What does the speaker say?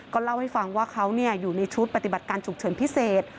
เล่าให้ฟังว่าเขาอยู่ในชุดปฏิบัติการฉุกเฉินพิเศษ